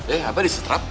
eh apa disetrap